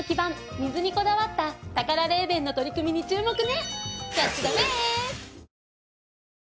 水にこだわったタカラレーベンの取り組みに注目ね。